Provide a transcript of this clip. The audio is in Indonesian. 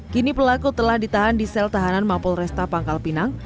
kini pelaku telah ditahan di sel tahanan mapol resta pangkal pinang